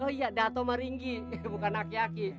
oh iya datuk meringgi bukan aki aki